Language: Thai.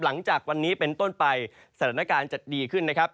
หลังจากวันนี้เป็นต้นไปสถานการณ์จะดีขึ้นนะครับ